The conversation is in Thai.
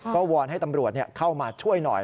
ก็วอนให้ตำรวจเข้ามาช่วยหน่อย